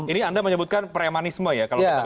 ini anda menyebutkan premanisme ya